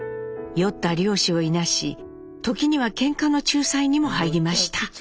酔った漁師をいなし時にはけんかの仲裁にも入りました。